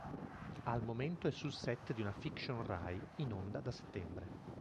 Al momento è sul set di una fiction Rai, in onda da settembre.